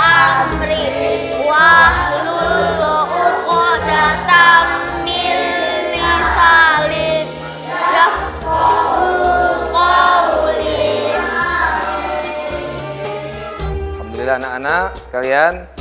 alhamdulillah anak anak sekalian